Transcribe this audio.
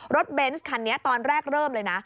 เบนส์คันนี้ตอนแรกเริ่มเลยนะ